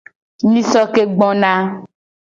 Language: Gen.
Nyiso ke gbona.